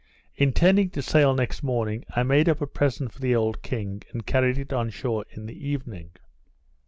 Intending to sail next morning, I made up a present for the old king, and carried it on shore in the evening.